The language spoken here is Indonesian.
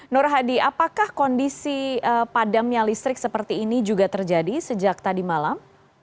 nur hadi apakah kondisi padamnya listrik seperti ini juga terjadi sejak tadi malam